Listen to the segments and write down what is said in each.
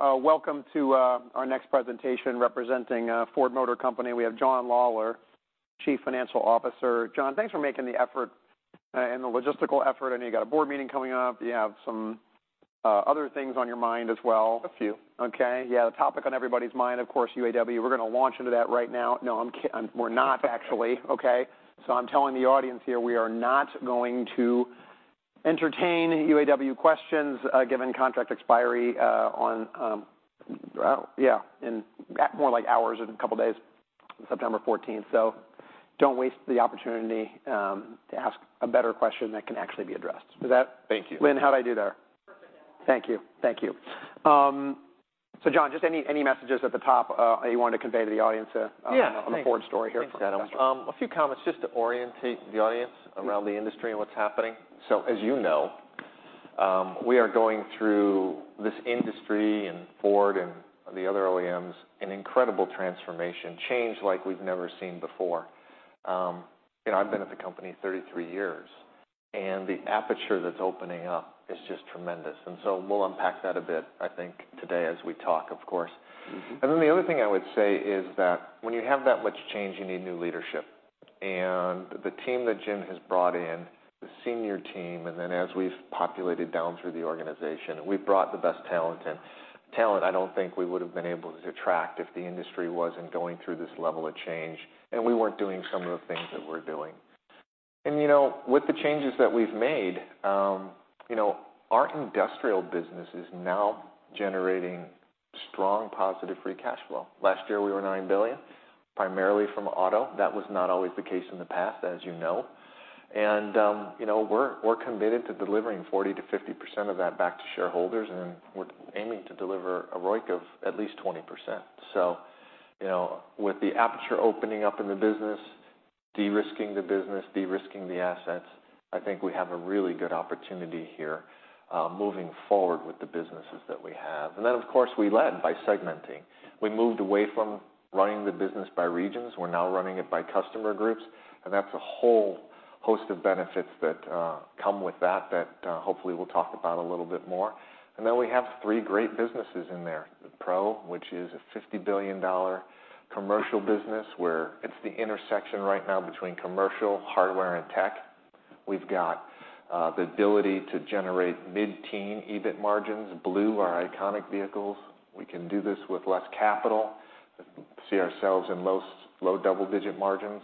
Welcome to our next presentation. Representing Ford Motor Company, we have John Lawler, Chief Financial Officer. John, thanks for making the effort and the logistical effort. I know you've got a board meeting coming up. You have some other things on your mind as well. A few. Okay. Yeah, the topic on everybody's mind, of course, UAW. We're going to launch into that right now. No, we're not actually, okay? So I'm telling the audience here, we are not going to entertain UAW questions, given contract expiry on, well, yeah, in at more like hours and a couple of days, September 14th. So don't waste the opportunity to ask a better question that can actually be addressed. Does that- Thank you. Lynn, how'd I do there? Perfect. Thank you. Thank you. So, John, just any messages at the top you want to convey to the audience? Yeah on the Ford story here? Thanks, Adam. A few comments just to orientate the audience around the industry and what's happening. So as you know, we are going through this industry and Ford and the other OEMs, an incredible transformation, change like we've never seen before. You know, I've been at the company 33 years, and the aperture that's opening up is just tremendous. And so we'll unpack that a bit, I think, today as we talk, of course. Mm-hmm. Then the other thing I would say is that when you have that much change, you need new leadership. The team that Jim has brought in, the senior team, and then as we've populated down through the organization, we've brought the best talent in. Talent I don't think we would have been able to attract if the industry wasn't going through this level of change and we weren't doing some of the things that we're doing. You know, with the changes that we've made, you know, our industrial business is now generating strong, positive, free cash flow. Last year, we were $9 billion, primarily from auto. That was not always the case in the past, as you know. You know, we're committed to delivering 40%-50% of that back to shareholders, and we're aiming to deliver a ROIC of at least 20%. So, you know, with the aperture opening up in the business, de-risking the business, de-risking the assets, I think we have a really good opportunity here, moving forward with the businesses that we have. And then, of course, we led by segmenting. We moved away from running the business by regions. We're now running it by customer groups, and that's a whole host of benefits that come with that, hopefully we'll talk about a little bit more. And then we have three great businesses in there. Pro, which is a $50 billion commercial business, where it's the intersection right now between commercial, hardware, and tech. We've got the ability to generate mid-teen EBIT margins. Blue, our iconic vehicles, we can do this with less capital, see ourselves in most low double-digit margins.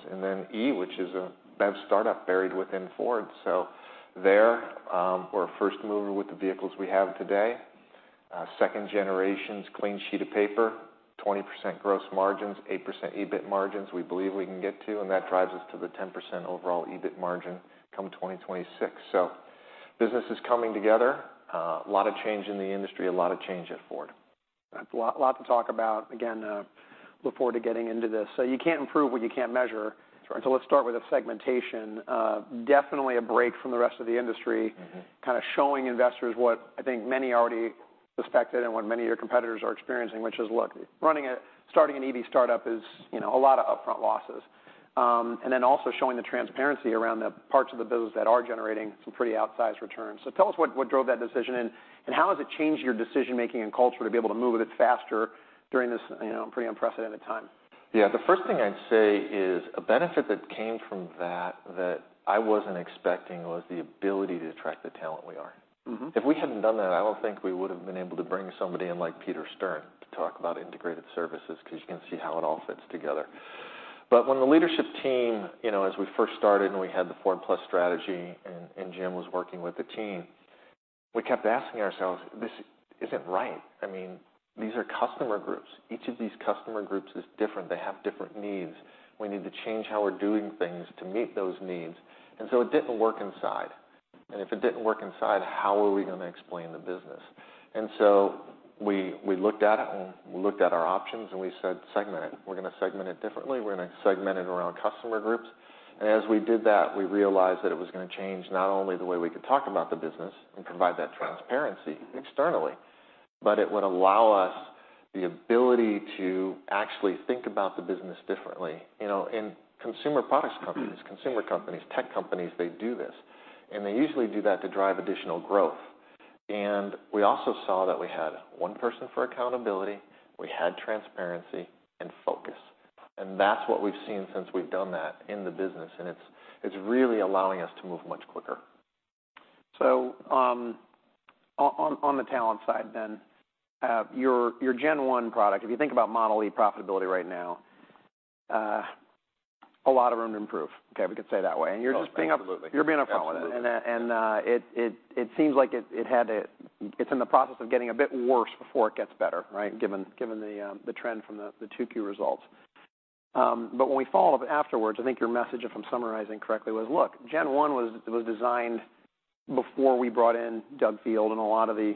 E, which is a BEV start-up buried within Ford. There, we're a first mover with the vehicles we have today. Second generation's clean sheet of paper, 20% gross margins, 8% EBIT margins, we believe we can get to, and that drives us to the 10% overall EBIT margin come 2026. Business is coming together. A lot of change in the industry, a lot of change at Ford. That's a lot, a lot to talk about. Again, look forward to getting into this. You can't improve what you can't measure. That's right. Let's start with the segmentation. Definitely a break from the rest of the industry- Mm-hmm... kind of showing investors what I think many already suspected and what many of your competitors are experiencing, which is, look, running a- starting an EV start-up is, you know, a lot of upfront losses. And then also showing the transparency around the parts of the business that are generating some pretty outsized returns. Tell us what, what drove that decision, and how has it changed your decision-making and culture to be able to move a bit faster during this, you know, pretty unprecedented time? Yeah. The first thing I'd say is a benefit that came from that, that I wasn't expecting was the ability to attract the talent we are. Mm-hmm. If we hadn't done that, I don't think we would have been able to bring somebody in like Peter Stern to talk about integrated services, because you can see how it all fits together. But when the leadership team, you know, as we first started and we had the Ford+ strategy and, and Jim was working with the team, we kept asking ourselves, "This isn't right." I mean, these are customer groups. Each of these customer groups is different. They have different needs. We need to change how we're doing things to meet those needs. And so it didn't work inside. And if it didn't work inside, how were we gonna explain the business? And so we, we looked at it, and we looked at our options, and we said, "Segment it. We're gonna segment it differently. We're gonna segment it around customer groups." And as we did that, we realized that it was gonna change not only the way we could talk about the business and provide that transparency externally, but it would allow us the ability to actually think about the business differently. You know, in consumer products companies, consumer companies, tech companies, they do this, and they usually do that to drive additional growth. And we also saw that we had one person for accountability, we had transparency and focus, and that's what we've seen since we've done that in the business, and it's really allowing us to move much quicker. So, on the talent side then, your Gen 1 product, if you think about Model e profitability right now, a lot of room to improve. Okay, we could say it that way. Oh, absolutely. And you're just being up- Absolutely... You're being upfront with it. And it seems like it had... It's in the process of getting a bit worse before it gets better, right? Given the trend from the two key results. But when we follow up afterwards, I think your message, if I'm summarizing correctly, was, "Look, Gen 1 was designed before we brought in Doug Field and a lot of the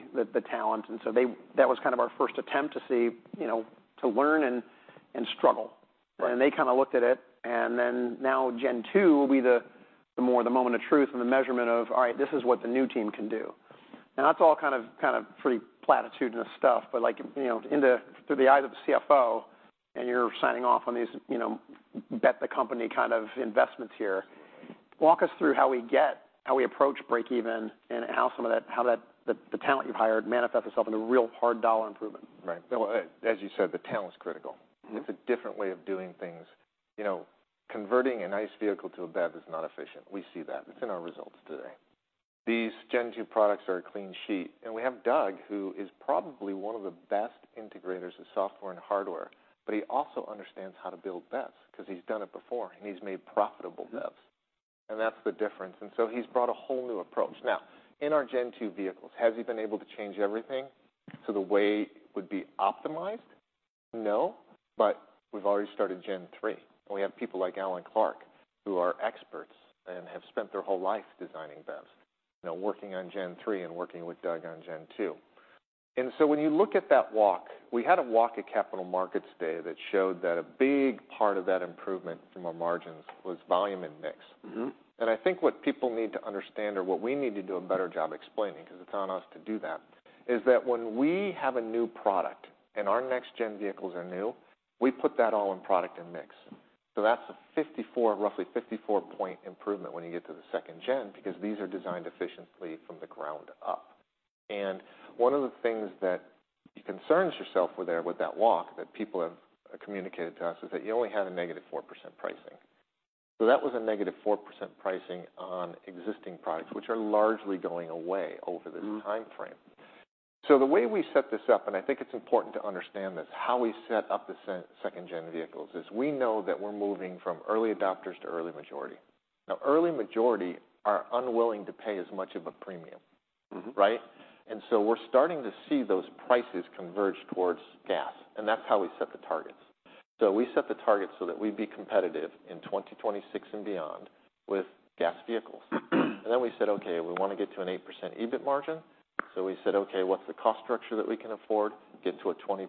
talent." And so that was kind of our first attempt to see, you know, to learn and struggle. Right. And they kinda looked at it, and then now Gen 2 will be the more the moment of truth and the measurement of, all right, this is what the new team can do. And that's all kind of pretty platitudinous stuff, but like, you know, through the eyes of the CFO, and you're signing off on these, you know, bet the company kind of investments here... Walk us through how we get, how we approach breakeven, and how some of that, how that the talent you've hired manifests itself into real hard dollar improvement. Right. Well, as you said, the talent's critical. Mm-hmm. It's a different way of doing things. You know, converting an ICE vehicle to a BEV is not efficient. We see that. It's in our results today. These Gen 2 products are a clean sheet, and we have Doug, who is probably one of the best integrators of software and hardware, but he also understands how to build BEVs because he's done it before, and he's made profitable BEVs. Yeah. And that's the difference, and so he's brought a whole new approach. Now, in our Gen 2 vehicles, has he been able to change everything, so the way would be optimized? No, but we've already started Gen 3. We have people like Alan Clarke, who are experts and have spent their whole life designing BEVs, now working on Gen 3 and working with Doug on Gen 2. And so when you look at that walk, we had a walk at Capital Markets Day that showed that a big part of that improvement from our margins was volume and mix. Mm-hmm. I think what people need to understand or what we need to do a better job explaining, 'cause it's on us to do that, is that when we have a new product and our next-gen vehicles are new, we put that all in product and mix. So that's a 54, roughly 54-point improvement when you get to the Gen 2, because these are designed efficiently from the ground up. And one of the things that concerns yourself with there, with that walk, that people have communicated to us is that you only had a -4% pricing. So that was a -4% pricing on existing products, which are largely going away over- Mm-hmm This time frame. So the way we set this up, and I think it's important to understand this, how we set up the Gen 2 vehicles, is we know that we're moving from early adopters to early majority. Now, early majority are unwilling to pay as much of a premium. Mm-hmm. Right? And so we're starting to see those prices converge towards gas, and that's how we set the targets. So we set the targets so that we'd be competitive in 2026 and beyond with gas vehicles. And then we said, "Okay, we want to get to an 8% EBIT margin." So we said, "Okay, what's the cost structure that we can afford?" Get to a 20%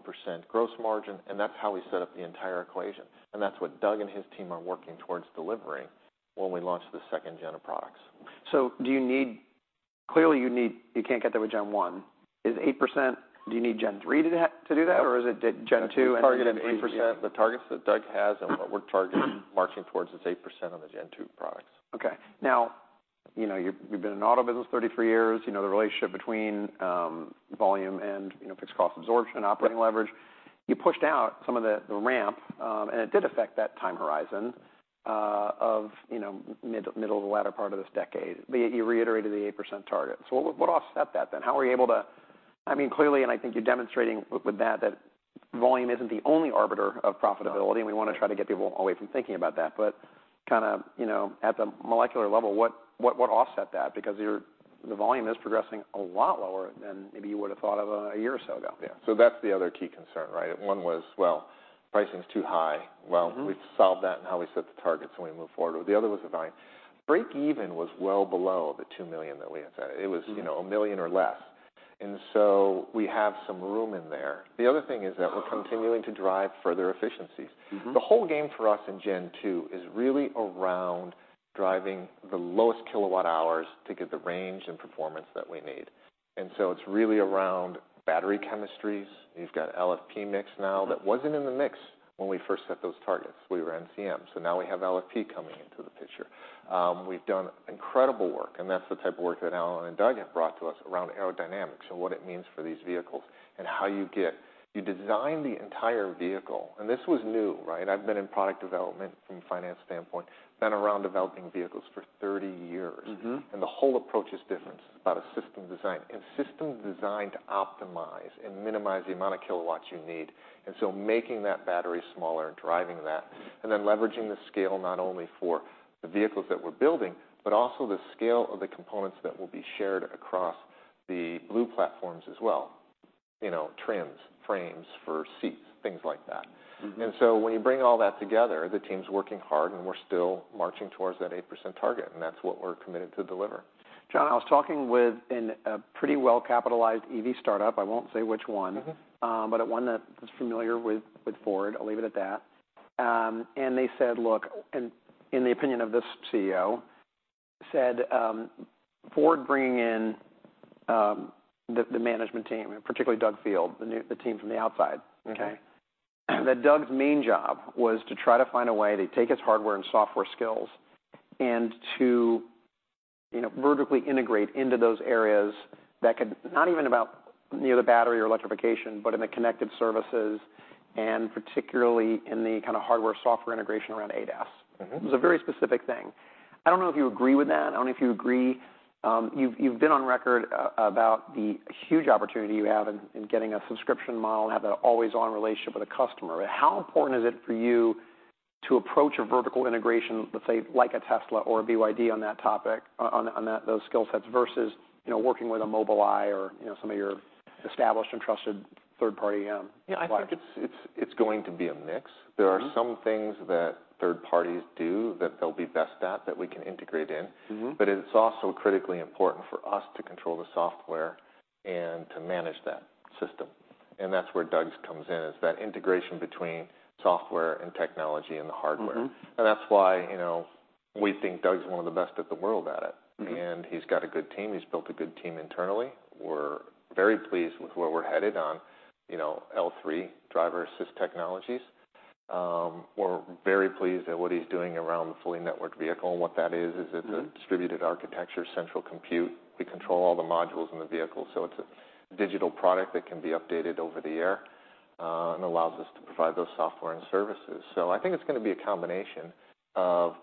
gross margin, and that's how we set up the entire equation. And that's what Doug and his team are working towards delivering when we launch the Gen 2 of products. Do you need— Clearly, you need... You can't get there with Gen 1. Is 8%, do you need Gen 3 to do that, or is it Gen 2? Target at 8%. The targets that Doug has and what we're targeting, marching towards, is 8% on the Gen 2 products. Okay. Now, you know, you've been in auto business 34 years. You know, the relationship between volume and, you know, fixed cost absorption- Right -operating leverage. You pushed out some of the ramp, and it did affect that time horizon of, you know, mid- to the latter part of this decade, but you reiterated the 8% target. So what offset that then? How were you able to- I mean, clearly, and I think you're demonstrating with that, that volume isn't the only arbiter of profitability- No And we want to try to get people away from thinking about that. But kind of, you know, at the molecular level, what, what, what offset that? Because your, the volume is progressing a lot lower than maybe you would have thought of a year or so ago. Yeah. So that's the other key concern, right? One was, well, pricing is too high. Mm-hmm. Well, we've solved that and how we set the targets and we move forward. The other was the volume. Breakeven was well below the 2 million that we had said. Mm-hmm. It was, you know, 1 million or less, and so we have some room in there. The other thing is that we're continuing to drive further efficiencies. Mm-hmm. The whole game for us in Gen 2 is really around driving the lowest kilowatt-hours to get the range and performance that we need. It's really around battery chemistries. You've got LFP mix now that wasn't in the mix when we first set those targets. We were NCM, so now we have LFP coming into the picture. We've done incredible work, and that's the type of work that Alan and Doug have brought to us around aerodynamics and what it means for these vehicles and how you get... You design the entire vehicle, and this was new, right? I've been in product development from a finance standpoint, been around developing vehicles for 30 years. Mm-hmm. The whole approach is different. It's about a system design, and system designed to optimize and minimize the amount of kilowatts you need, and so making that battery smaller and driving that, and then leveraging the scale not only for the vehicles that we're building, but also the scale of the components that will be shared across the Blue platforms as well. You know, trims, frames for seats, things like that. Mm-hmm. And so when you bring all that together, the team's working hard, and we're still marching towards that 8% target, and that's what we're committed to deliver. John, I was talking with a pretty well-capitalized EV startup. I won't say which one. Mm-hmm. But one that is familiar with Ford. I'll leave it at that. And they said, "Look," and in the opinion of this CEO, said, Ford bringing in the management team, and particularly Doug Field, the team from the outside. Okay. That Doug's main job was to try to find a way to take his hardware and software skills and to, you know, vertically integrate into those areas that could, not even about, you know, the battery or electrification, but in the connected services and particularly in the kind of hardware, software integration around ADAS. Mm-hmm. It was a very specific thing. I don't know if you agree with that. I don't know if you agree. You've been on record about the huge opportunity you have in getting a subscription model and have an always-on relationship with the customer. How important is it for you to approach a vertical integration, let's say, like a Tesla or a BYD on that topic, on those skill sets, versus, you know, working with a Mobileye or, you know, some of your established and trusted third-party supplies? Yeah, I think it's going to be a mix. Mm-hmm. There are some things that third parties do that they'll be best at, that we can integrate in. Mm-hmm. But it's also critically important for us to control the software and to manage that system... and that's where Doug comes in, is that integration between software and technology and the hardware. Mm-hmm. That's why, you know, we think Doug's one of the best in the world at it. Mm-hmm. He's got a good team. He's built a good team internally. We're very pleased with where we're headed on, you know, L3 driver assist technologies. We're very pleased at what he's doing around the fully networked vehicle, and what that is, is- Mm... a distributed architecture, central compute. We control all the modules in the vehicle, so it's a digital product that can be updated over the air, and allows us to provide those software and services. So I think it's gonna be a combination of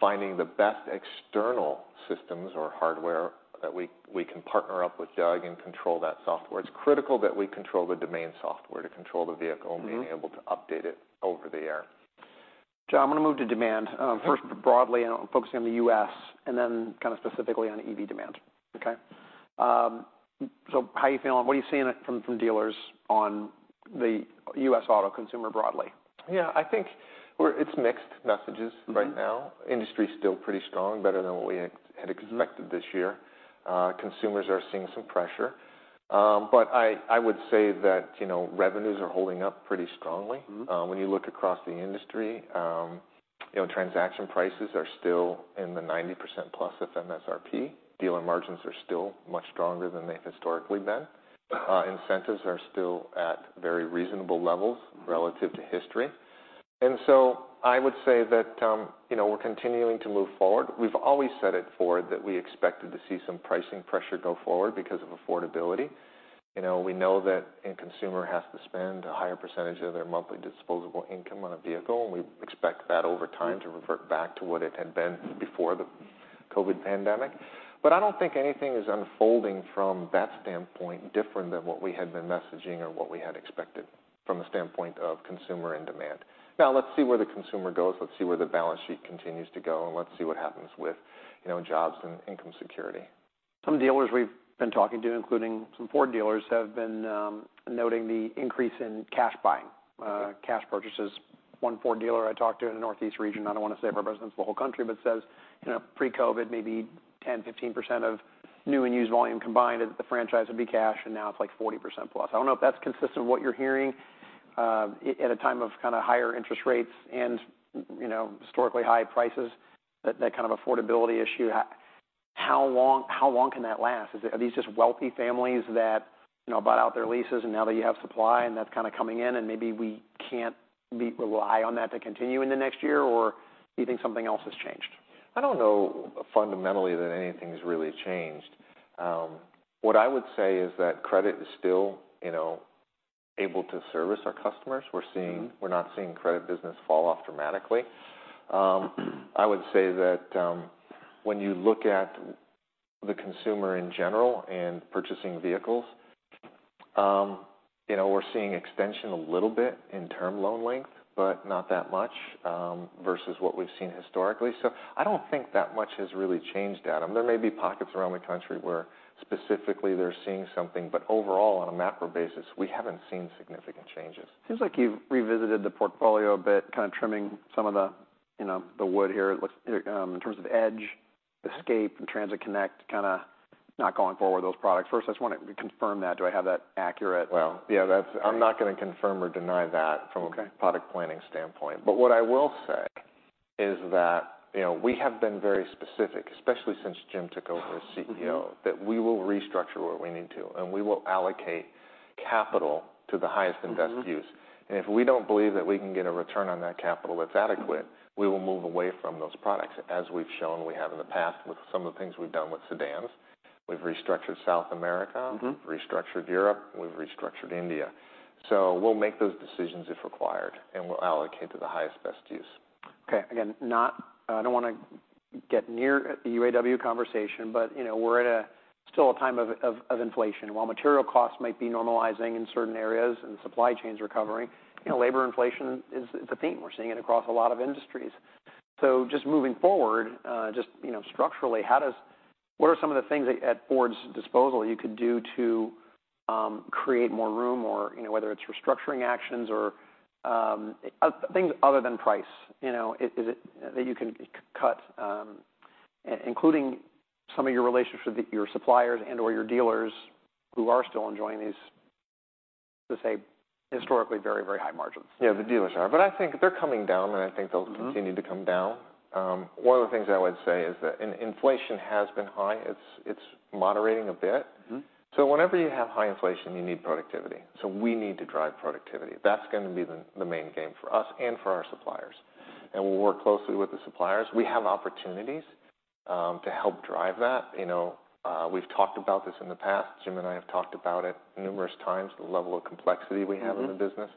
finding the best external systems or hardware that we, we can partner up with Doug and control that software. It's critical that we control the domain software to control the vehicle- Mm-hmm... being able to update it over the air. John, I'm gonna move to demand. Okay. First, broadly, and focusing on the U.S. and then kind of specifically on EV demand. Okay. So, how are you feeling? What are you seeing from dealers on the U.S. auto consumer broadly? Yeah, I think it's mixed messages right now. Mm-hmm. Industry is still pretty strong, better than what we had expected this year. Mm-hmm. Consumers are seeing some pressure. But I would say that, you know, revenues are holding up pretty strongly. Mm-hmm. When you look across the industry, you know, transaction prices are still in the 90%+ of MSRP. Dealer margins are still much stronger than they've historically been. Incentives are still at very reasonable levels relative to history. And so I would say that, you know, we're continuing to move forward. We've always set it forward that we expected to see some pricing pressure go forward because of affordability. You know, we know that a consumer has to spend a higher percentage of their monthly disposable income on a vehicle, and we expect that over time. Mm... to revert back to what it had been before the COVID pandemic. But I don't think anything is unfolding from that standpoint, different than what we had been messaging or what we had expected from a standpoint of consumer and demand. Now, let's see where the consumer goes, let's see where the balance sheet continues to go, and let's see what happens with, you know, jobs and income security. Some dealers we've been talking to, including some Ford dealers, have been noting the increase in cash buying, Yeah... cash purchases. One Ford dealer I talked to in the Northeast region, I don't want to say represents the whole country, but says, you know, pre-COVID, maybe 10%, 15% of new and used volume combined at the franchise would be cash, and now it's like 40%+. I don't know if that's consistent with what you're hearing at a time of kind of higher interest rates and, you know, historically high prices, that kind of affordability issue. How long, how long can that last? Are these just wealthy families that, you know, bought out their leases, and now that you have supply and that's kind of coming in, and maybe we can't rely on that to continue in the next year, or do you think something else has changed? I don't know fundamentally that anything's really changed. What I would say is that credit is still, you know, able to service our customers. Mm-hmm. We're not seeing credit business fall off dramatically. I would say that, when you look at the consumer in general and purchasing vehicles, you know, we're seeing extension a little bit in term loan length, but not that much, versus what we've seen historically. So I don't think that much has really changed, Adam. There may be pockets around the country where specifically they're seeing something, but overall, on a macro basis, we haven't seen significant changes. Seems like you've revisited the portfolio a bit, kind of trimming some of the, you know, the wood here. It looks, in terms of Edge, Escape, and Transit Connect, kind of not going forward with those products. First, I just want to confirm that. Do I have that accurate? Well, yeah, that's- Okay... I'm not gonna confirm or deny that- Okay... from a product planning standpoint. But what I will say is that, you know, we have been very specific, especially since Jim took over as CEO- Mm-hmm... that we will restructure what we need to, and we will allocate capital to the highest and best use. Mm-hmm. If we don't believe that we can get a return on that capital that's adequate, we will move away from those products, as we've shown we have in the past with some of the things we've done with sedans. We've restructured South America- Mm-hmm... restructured Europe, we've restructured India. So we'll make those decisions if required, and we'll allocate to the highest, best use. Okay. Again, not, I don't want to get near the UAW conversation, but, you know, we're at a still a time of inflation. While material costs might be normalizing in certain areas and supply chains recovering, you know, labor inflation is the theme. We're seeing it across a lot of industries. So just moving forward, just, you know, structurally, how does... What are some of the things at Ford's disposal you could do to create more room or, you know, whether it's restructuring actions or things other than price, you know, is it that you can cut, including some of your relationships with your suppliers and/or your dealers who are still enjoying these, let's say, historically, very, very high margins? Yeah, the dealers are, but I think they're coming down, and I think they'll- Mm-hmm... continue to come down. One of the things I would say is that inflation has been high. It's moderating a bit. Mm-hmm. So whenever you have high inflation, you need productivity. So we need to drive productivity. That's gonna be the, the main game for us and for our suppliers, and we'll work closely with the suppliers. We have opportunities, to help drive that. You know, we've talked about this in the past. Jim and I have talked about it numerous times, the level of complexity we have- Mm-hmm... in the business.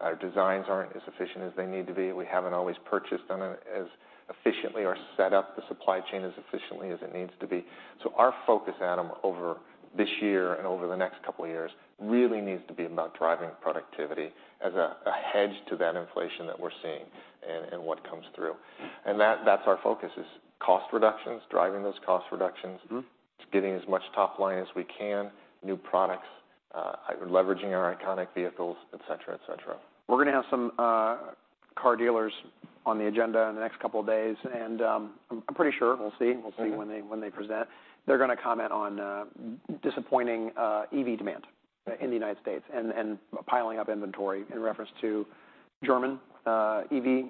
Our designs aren't as efficient as they need to be. We haven't always purchased them as efficiently or set up the supply chain as efficiently as it needs to be. So our focus, Adam, over this year and over the next couple of years, really needs to be about driving productivity as a hedge to that inflation that we're seeing and what comes through. And that, that's our focus, is cost reductions, driving those cost reductions- Mm-hmm... getting as much top line as we can, new products, leveraging our iconic vehicles, et cetera, et cetera. We're gonna have some car dealers on the agenda in the next couple of days, and I'm pretty sure we'll see. Mm-hmm. We'll see when they, when they present. They're gonna comment on disappointing EV demand- Yeah -in the United States and, and piling up inventory in reference to German, EV.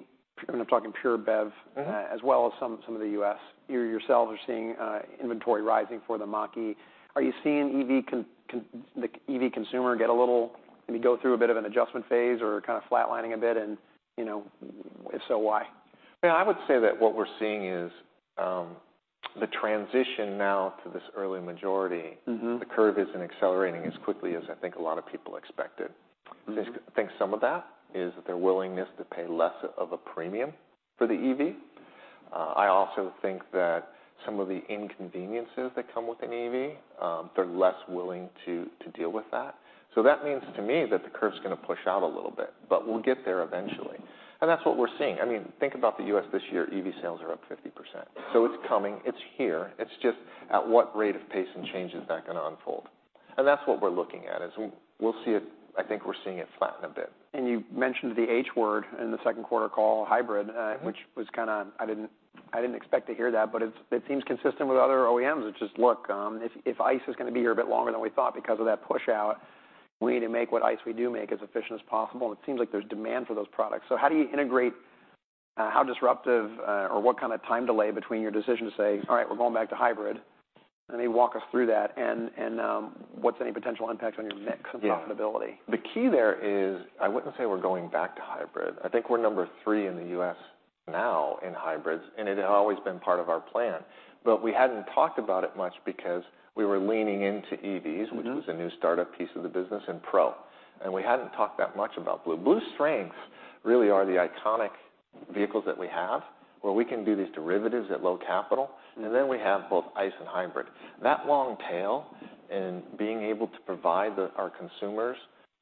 I'm talking pure BEV- Mm-hmm As well as some of the U.S. You yourselves are seeing inventory rising for the Mach-E. Are you seeing the EV consumer get a little, maybe go through a bit of an adjustment phase or kind of flatlining a bit, and, you know, if so, why? Yeah, I would say that what we're seeing is the transition now to this early majority. Mm-hmm. The curve isn't accelerating as quickly as I think a lot of people expected. Mm-hmm. I think some of that is their willingness to pay less of a premium for the EV. I also think that some of the inconveniences that come with an EV, they're less willing to deal with that. So that means to me, that the curve's gonna push out a little bit, but we'll get there eventually, and that's what we're seeing. I mean, think about the U.S. this year, EV sales are up 50%, so it's coming. It's here. It's just at what rate of pace and change is that gonna unfold? And that's what we're looking at, is we'll see it... I think we're seeing it flatten a bit. You mentioned the H word in the second quarter call, hybrid- Mm-hmm Which was kind of... I didn't, I didn't expect to hear that, but it's, it seems consistent with other OEMs, which is, look, if, if ICE is gonna be here a bit longer than we thought because of that pushout, we need to make what ICE we do make as efficient as possible, and it seems like there's demand for those products. So how do you integrate, how disruptive, or what kind of time delay between your decision to say, "All right, we're going back to hybrid?" Let me walk us through that, and, and, what's any potential impact on your mix- Yeah -and profitability? The key there is, I wouldn't say we're going back to hybrid. I think we're number three in the U.S. now in hybrids, and it had always been part of our plan, but we hadn't talked about it much because we were leaning into EVs- Mm-hmm -which was a new startup piece of the business in Pro, and we hadn't talked that much about Blue. Blue's strengths really are the iconic vehicles that we have, where we can do these derivatives at low capital. Mm-hmm. Then we have both ICE and hybrid. That long tail and being able to provide the, our consumers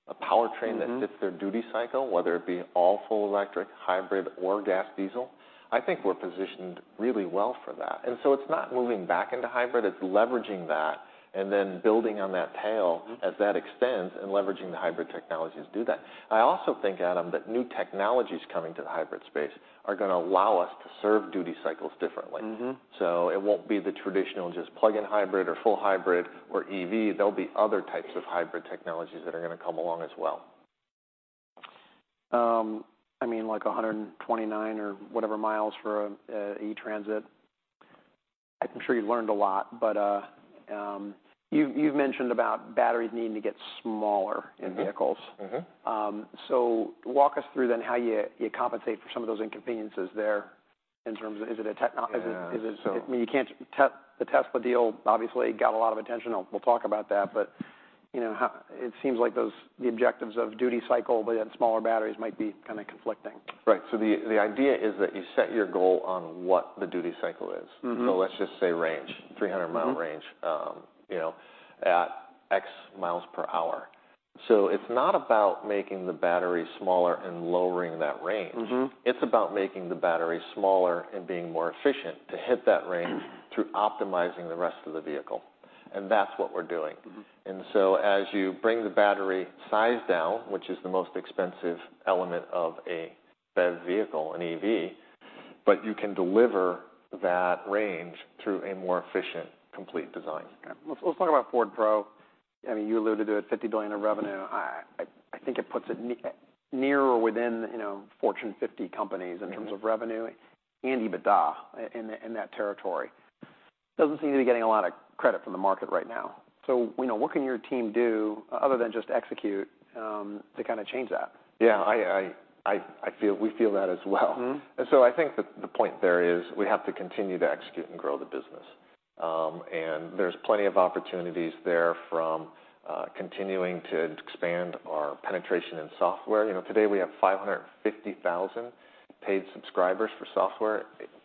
a powertrain- Mm-hmm that fits their duty cycle, whether it be all full electric, hybrid, or gas diesel, I think we're positioned really well for that, and so it's not moving back into hybrid, it's leveraging that, and then building on that tail. Mm-hmm as that extends and leveraging the hybrid technologies to do that. I also think, Adam, that new technologies coming to the hybrid space are gonna allow us to serve duty cycles differently. Mm-hmm. So it won't be the traditional, just plug-in hybrid or full hybrid or EV. There'll be other types of hybrid technologies that are gonna come along as well. I mean, like 129 or whatever miles for a E-Transit. I'm sure you've learned a lot, but, you've mentioned about batteries needing to get smaller- Mm-hmm -in vehicles. Mm-hmm. So walk us through then, how you compensate for some of those inconveniences there in terms of... Is it a techno- Yeah. Is it? I mean, the Tesla deal obviously got a lot of attention. We'll talk about that, but, you know, how it seems like those, the objectives of duty cycle but yet smaller batteries might be kind of conflicting. Right. So the idea is that you set your goal on what the duty cycle is. Mm-hmm. Let's just say range, 300-mile range- Mm-hmm you know, at X miles per hour. So it's not about making the battery smaller and lowering that range. Mm-hmm. It's about making the battery smaller and being more efficient to hit that range through optimizing the rest of the vehicle, and that's what we're doing. Mm-hmm. As you bring the battery size down, which is the most expensive element of a BEV vehicle, an EV, but you can deliver that range through a more efficient, complete design. Okay. Let's talk about Ford Pro. I mean, you alluded to it, $50 billion of revenue. I think it puts it near or within, you know, Fortune 50 companies- Mm-hmm In terms of revenue and EBITDA in that, in that territory. Doesn't seem to be getting a lot of credit from the market right now. So, you know, what can your team do other than just execute, to kind of change that? Yeah, we feel that as well. Mm-hmm. And so I think that the point there is we have to continue to execute and grow the business. And there's plenty of opportunities there from continuing to expand our penetration in software. You know, today we have 550,000 paid subscribers for software.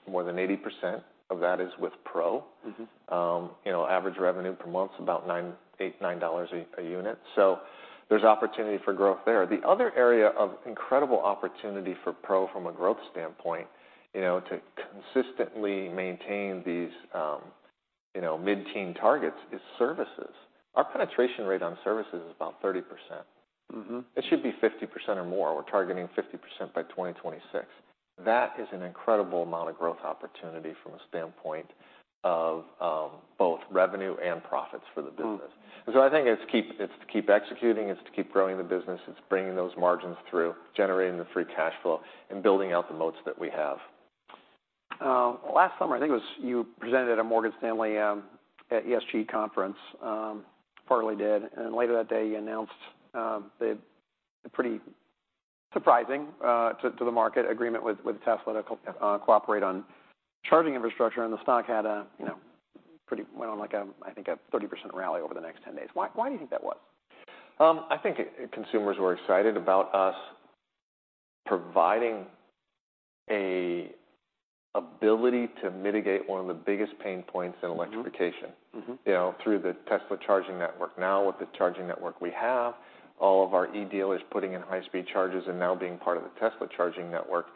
More than 80% of that is with Pro. Mm-hmm. You know, average revenue per month is about $989 a unit, so there's opportunity for growth there. The other area of incredible opportunity for Pro from a growth standpoint, you know, to consistently maintain these, you know, mid-teen targets, is services. Our penetration rate on services is about 30%. Mm-hmm. It should be 50% or more. We're targeting 50% by 2026. That is an incredible amount of growth opportunity from a standpoint of both revenue and profits for the business. Mm. So I think it's to keep executing, it's to keep growing the business. It's bringing those margins through, generating the free cash flow, and building out the moats that we have. Last summer, I think it was, you presented at a Morgan Stanley ESG conference, and later that day, you announced the pretty surprising to the market agreement with Tesla to cooperate on charging infrastructure, and the stock had a, you know, pretty... went on like a, I think, a 30% rally over the next 10 days. Why do you think that was? I think consumers were excited about us providing a ability to mitigate one of the biggest pain points in electrification- Mm-hmm. Mm-hmm You know, through the Tesla charging network. Now, with the charging network we have, all of our E dealers putting in high-speed chargers and now being part of the Tesla charging network...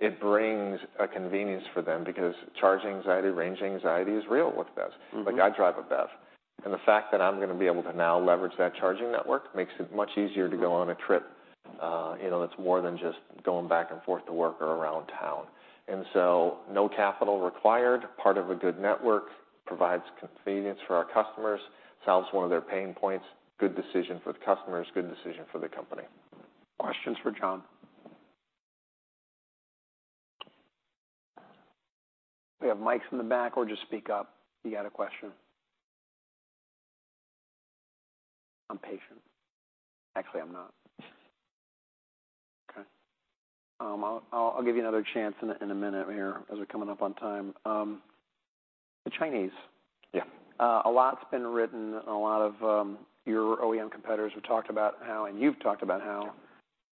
it brings a convenience for them because charging anxiety, range anxiety is real with BEVs. Mm-hmm. Like, I drive a BEV, and the fact that I'm gonna be able to now leverage that charging network makes it much easier- Mm-hmm To go on a trip, you know, that's more than just going back and forth to work or around town. And so no capital required, part of a good network, provides convenience for our customers, solves one of their pain points. Good decision for the customers, good decision for the company. Questions for John? We have mics in the back or just speak up if you got a question. I'm patient. Actually, I'm not. Okay. I'll give you another chance in a minute here, as we're coming up on time. The Chinese. Yeah. A lot's been written, and a lot of your OEM competitors have talked about how, and you've talked about how- Sure...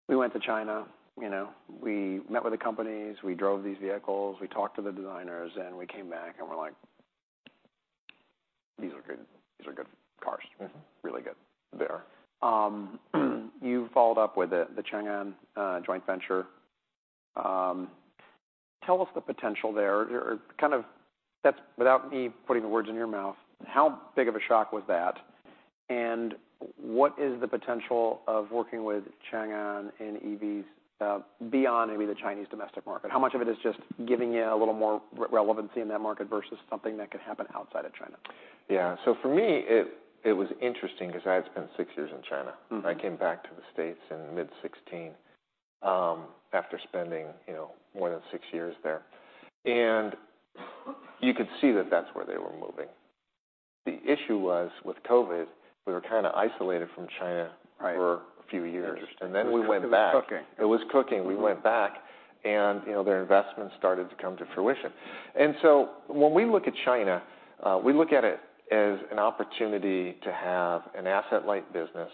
we went to China. You know, we met with the companies, we drove these vehicles, we talked to the designers, and we came back and we're like, "These are good. These are good cars. Mm-hmm. Really good. They are. You followed up with the Changan joint venture. Tell us the potential there. Or, kind of, that's without me putting the words in your mouth, how big of a shock was that? And what is the potential of working with Changan in EVs beyond maybe the Chinese domestic market? How much of it is just giving you a little more relevancy in that market versus something that could happen outside of China? Yeah. So for me, it was interesting 'cause I had spent six years in China. Mm-hmm. I came back to the States in mid-2016, after spending, you know, more than six years there. You could see that that's where they were moving. The issue was, with COVID, we were kind of isolated from China. Right for a few years. Interesting. And then we went back. It was cooking. It was cooking. Mm-hmm. We went back, and, you know, their investments started to come to fruition. And so when we look at China, we look at it as an opportunity to have an asset-light business.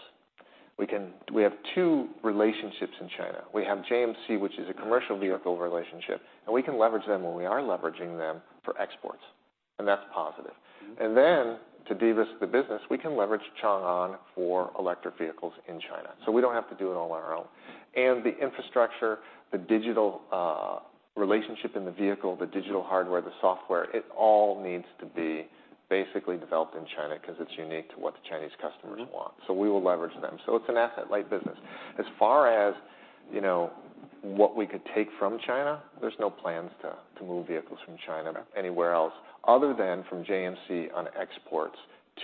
We have two relationships in China. We have JMC, which is a commercial vehicle relationship, and we can leverage them, and we are leveraging them, for exports, and that's positive. Mm-hmm. And then, to devise the business, we can leverage Changan for electric vehicles in China, so we don't have to do it all on our own. The infrastructure, the digital, relationship in the vehicle, the digital hardware, the software, it all needs to be basically developed in China 'cause it's unique to what the Chinese customers want. Mm-hmm. We will leverage them. It's an asset-light business. As far as, you know, what we could take from China, there's no plans to move vehicles from China- Okay... anywhere else, other than from JMC on exports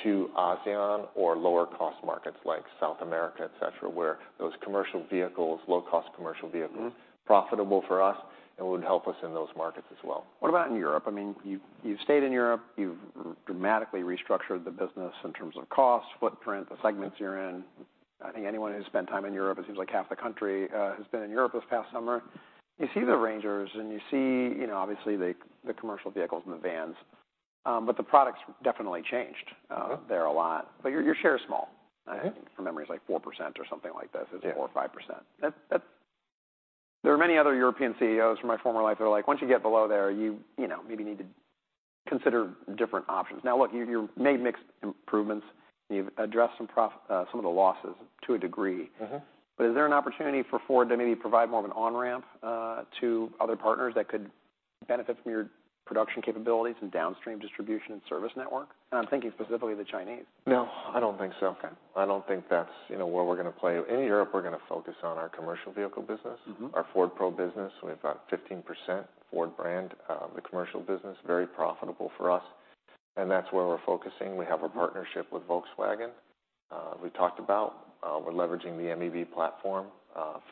to ASEAN or lower-cost markets like South America, et cetera, where those commercial vehicles, low-cost commercial vehicles- Mm-hmm profitable for us and would help us in those markets as well. What about in Europe? I mean, you've stayed in Europe. You've dramatically restructured the business in terms of cost, footprint, the segments you're in. I think anyone who's spent time in Europe, it seems like half the country has been in Europe this past summer. You see the Rangers, and you see, you know, obviously, the commercial vehicles and the vans, but the products definitely changed- Mm-hmm There's a lot. But your, your share is small. Mm-hmm. I think from memory, it's, like, 4% or something like that. Yeah. It's 4%-5%. That's... There are many other European CEOs from my former life that are like, once you get below there, you know, maybe need to consider different options. Now, look, you've made mixed improvements. You've addressed some of the losses to a degree. Mm-hmm. Is there an opportunity for Ford to maybe provide more of an on-ramp to other partners that could benefit from your production capabilities and downstream distribution and service network? I'm thinking specifically the Chinese. No, I don't think so. Okay. I don't think that's, you know, where we're gonna play. In Europe, we're gonna focus on our commercial vehicle business. Mm-hmm. Our Ford Pro business, we have about 15%. Ford brand, the commercial business, very profitable for us, and that's where we're focusing. Mm-hmm. We have a partnership with Volkswagen. We talked about we're leveraging the MEB platform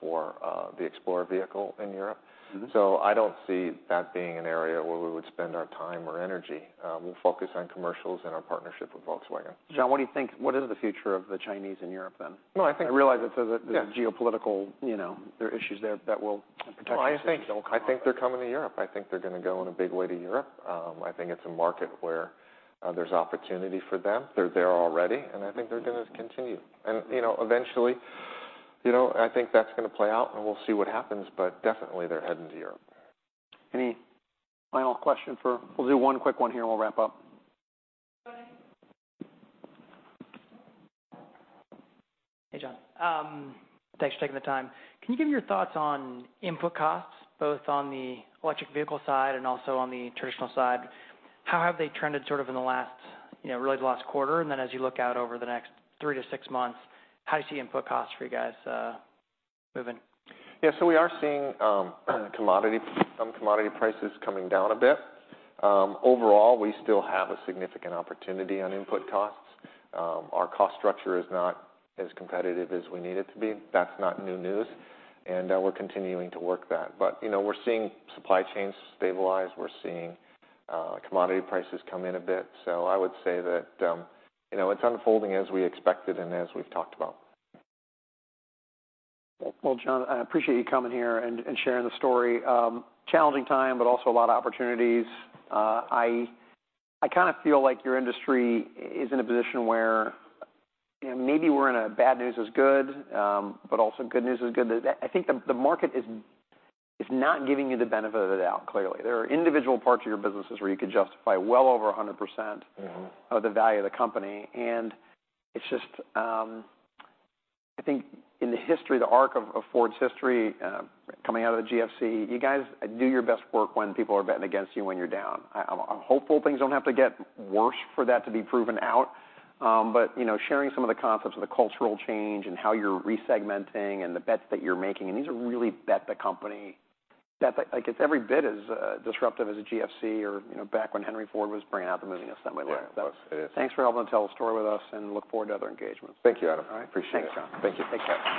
for the Explorer vehicle in Europe. Mm-hmm. I don't see that being an area where we would spend our time or energy. We'll focus on commercials and our partnership with Volkswagen. John, what do you think? What is the future of the Chinese in Europe, then? No, I think- I realize that there's a- Yeah... geopolitical, you know, there are issues there that will protect- No, I think— Don't- I think they're coming to Europe. I think they're gonna go in a big way to Europe. I think it's a market where there's opportunity for them. They're there already, and I think they're gonna continue. And, you know, eventually, you know, I think that's gonna play out, and we'll see what happens, but definitely they're heading to Europe. Any final question for... We'll do one quick one here, and we'll wrap up. Go ahead. Hey, John. Thanks for taking the time. Can you give me your thoughts on input costs, both on the electric vehicle side and also on the traditional side? How have they trended sort of in the last, you know, really the last quarter? And then, as you look out over the next three to six months, how do you see input costs for you guys moving? Yeah. So we are seeing some commodity prices coming down a bit. Overall, we still have a significant opportunity on input costs. Our cost structure is not as competitive as we need it to be. That's not new news, and we're continuing to work that. But, you know, we're seeing supply chains stabilize. We're seeing commodity prices come in a bit. So I would say that, you know, it's unfolding as we expected and as we've talked about. Well, John, I appreciate you coming here and sharing the story. Challenging time, but also a lot of opportunities. I kind of feel like your industry is in a position where, you know, maybe we're in a bad news is good, but also good news is good. I think the market is not giving you the benefit of the doubt, clearly. There are individual parts of your businesses where you could justify well over 100%- Mm-hmm... of the value of the company. And it's just, I think in the history, the arc of, of Ford's history, coming out of the GFC, you guys do your best work when people are betting against you, when you're down. I, I'm hopeful things don't have to get worse for that to be proven out. But, you know, sharing some of the concepts of the cultural change and how you're re-segmenting and the bets that you're making, and these are really bet the company. That's, I guess, every bit as, disruptive as a GFC or, you know, back when Henry Ford was bringing out the moving assembly line. Yeah, it is. Thanks for helping tell the story with us and look forward to other engagements. Thank you, Adam. All right. Appreciate it. Thanks, John. Thank you. Take care.